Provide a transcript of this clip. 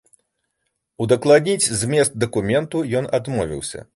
Удакладніць змест дакументу ён адмовіўся.